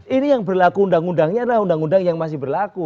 ini yang berlaku undang undangnya adalah undang undang yang masih berlaku